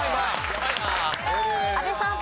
阿部さん。